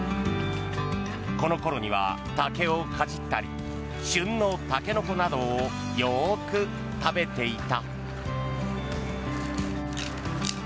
この頃には竹をかじったり旬のタケノコなどをよく食べていた。